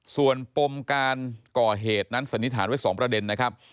ส่วนปมการก่อเหตุนั้นสันนิษฐานไว้๒ประเด็นนะครับ